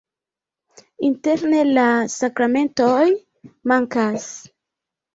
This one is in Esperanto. Interne la sakramentoj mankas.